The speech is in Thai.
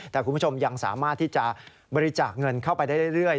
แต่คุณผู้ชมยังสามารถที่จะบริจาคเงินเข้าไปได้เรื่อย